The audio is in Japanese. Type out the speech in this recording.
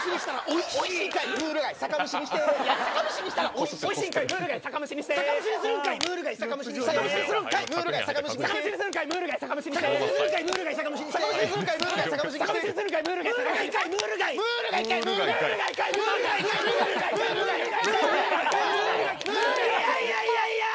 いやいやいやいや！